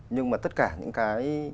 nhưng mà tất cả những cái